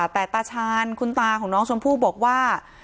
แต่ตาชาญคุณตาของน้องชมพู่บอกว่า